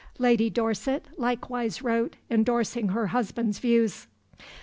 Lady Dorset likewise wrote, endorsing her husband's views.